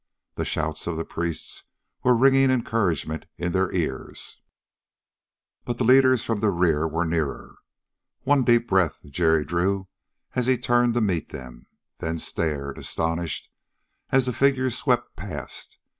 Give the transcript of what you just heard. The shouts of the priests were ringing encouragement in their ears. But the leaders from the rear were nearer. One deep breath Jerry drew as he turned to meet them. Then stared, astonished, as the figures swept past.